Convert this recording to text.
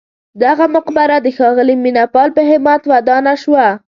دغه مقبره د ښاغلي مینه پال په همت ودانه شوه.